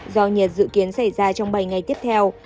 do nhiệt dự kiến xảy ra trong bảy ngày tiếp theo